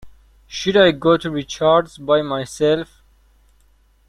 Should I go to Richard's by myself?